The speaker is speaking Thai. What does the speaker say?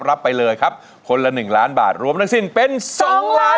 รับไปเลยครับคนละ๑ล้านบาทรวมทั้งสิ้นเป็น๒ล้าน